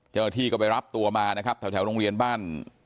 เจ้าหน้าที่ก็ไปรับตัวมานะครับแถวโรงเรียนบ้าน